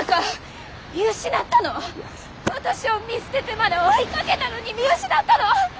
私を見捨ててまで追いかけたのに見失ったの！？